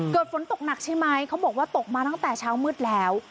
ฝนตกหนักใช่ไหมเขาบอกว่าตกมาตั้งแต่เช้ามืดแล้ว